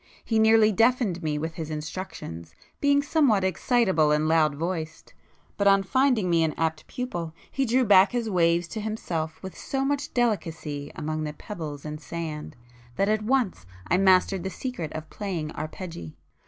He nearly deafened me with his instructions, being somewhat excitable and loud voiced,—but on finding me an apt pupil, he drew back his waves to himself with so much delicacy among the pebbles and sand, that at once I mastered the secret of playing arpeggi.